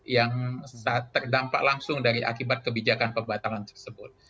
yang terdampak langsung dari akibat kebijakan pembatalan tersebut